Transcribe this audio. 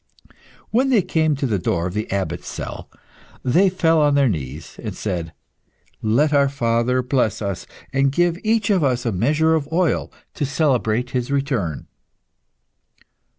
When they came to the door of the Abbot's cell, they fell on their knees, and said "Let our father bless us, and give each of us a measure of oil to celebrate his return."